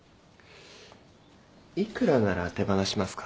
幾らなら手放しますか？